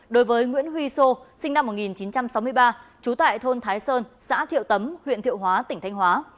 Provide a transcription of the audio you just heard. đối với nguyễn huy sô sinh năm một nghìn chín trăm sáu mươi ba trú tại thôn thái sơn xã thiệu tấm huyện thiệu hóa tỉnh thanh hóa